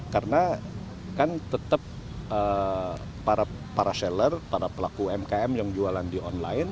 karena kan tetap para seller para pelaku umkm yang jualan di online